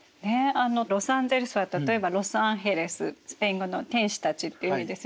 ロサンゼルスは例えばスペイン語の「天使たち」という意味ですよね。